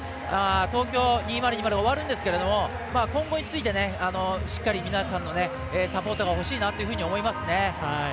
東京２０２０終わるんですけれども今後について、しっかり皆さんのサポートがほしいなって思いますね。